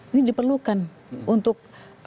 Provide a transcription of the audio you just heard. ini diperlukan untuk